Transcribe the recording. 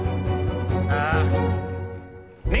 ああ。